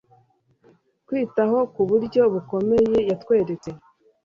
kwitaho ku buryo bukomeye. Yatweretse